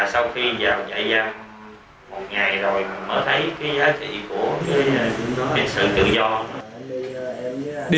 và sau khi vào giải giam một ngày rồi mới thấy cái giá trị của cái sự tự do